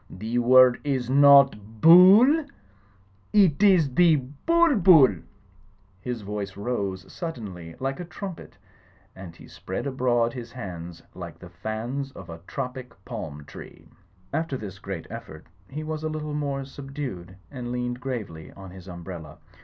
The word is not Bull ; it is the Bul Bul V His voice rose suddenly like a trumpet and he spread abroad his hands like the fans of a tropic palm tree. After this great eflfect he was a little more sub dued and leaned gravely on his umbrella.